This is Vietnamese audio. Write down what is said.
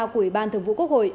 của ủy ban thường vụ quốc hội